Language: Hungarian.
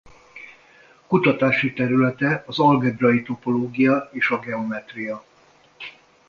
Kutatási területe az algebrai topológia és a geometria.